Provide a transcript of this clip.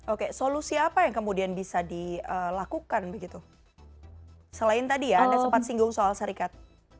oke solusi apa yang kemudian bisa dilakukan begitu selain tadi ya anda sempat singgung soal serikat